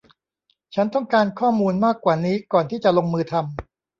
ฉันต้องการข้อมูลมากกว่านี้ก่อนที่จะลงมือทำ